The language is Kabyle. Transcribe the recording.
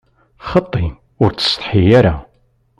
Xaṭi, ur ttsetḥi ara!